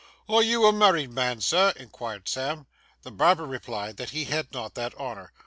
'Are you a married man, sir?' inquired Sam. The barber replied that he had not that honour.